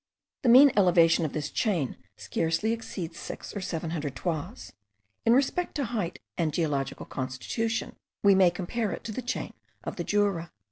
The mean elevation of this chain scarcely exceeds six or seven hundred toises: in respect to height and geological constitution, we may compare it to the chain of the Jura.